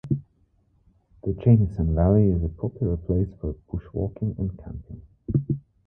The Jamison Valley is a popular place for bushwalking and camping.